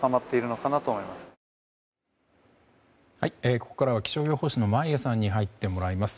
ここからは気象予報士の眞家さんに入ってもらいます。